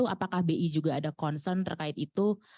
apakah bi juga ada concern terkait itu